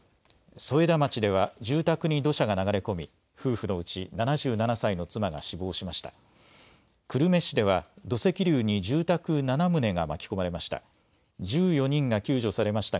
添田町では住宅に土砂が流れ込み夫婦のうち７７歳の妻が死亡しました。